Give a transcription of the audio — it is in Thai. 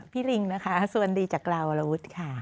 พี่ลิงนะคะสวัสดีจากกลาวละวุฒิค่ะ